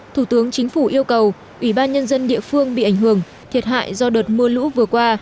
thủ tướng chính phủ yêu cầu ủy ban nhân dân địa phương bị ảnh hưởng thiệt hại do đợt mưa lũ vừa qua